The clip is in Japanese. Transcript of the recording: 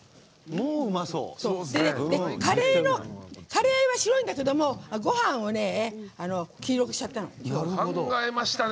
カレーは白いんだけどもごはんを黄色くしちゃったの。